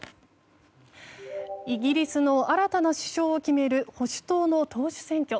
イギリスの新たな首相を決める保守党の党首選挙。